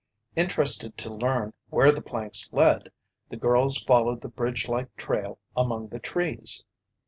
Interested to learn where the planks led, the girls followed the bridge like trail among the trees.